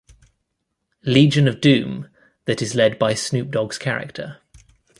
Legion of Doom that is led by Snoop Dogg's character.